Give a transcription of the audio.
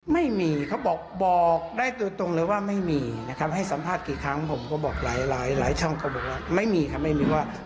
ไม่มีเขาบอกบอกได้ตัวตรงเลยว่าไม่มีนะครับให้สัมภาษณ์กี่ครั้งผมก็บอกหลายหลายช่องก็บอกว่าไม่มีครับไม่มีว่า